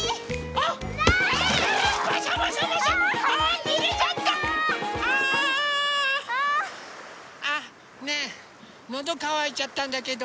あ！あっねえのどかわいちゃったんだけど。